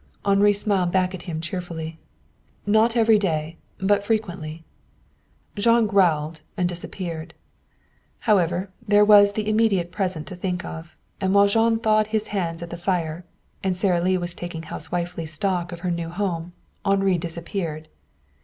Henri smiled back at him cheerfully. "An excellent plan, Jean," he said. "Not every day, but frequently." Jean growled and disappeared. However, there was the immediate present to think of, and while Jean thawed his hands at the fire and Sara Lee was taking housewifely stock of her new home, Henri disappeared.